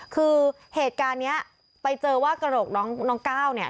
คือเหตุการณ์นี้ไปเจอว่ากระดูกน้องก้าวเนี่ย